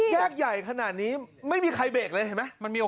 แยกใหญ่ขนาดนี้ไม่มีใครเบรกเลยเห็นไหม